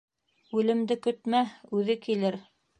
Үлемде көтмә, үҙе килер.